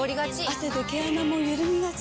汗で毛穴もゆるみがち。